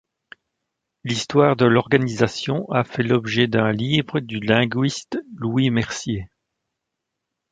L'histoire de l'organisation a fait l'objet d'un livre du linguiste Louis Mercier.